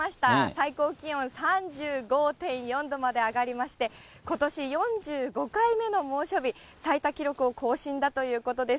最高気温は３５．４度まで上がりまして、ことし４５回目の猛暑日最多記録を更新だということです。